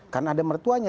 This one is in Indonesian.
karena ada mertuanya